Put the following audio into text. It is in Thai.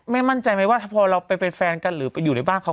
มั่นใจไหมว่าพอเราไปเป็นแฟนกันหรือไปอยู่ในบ้านเขา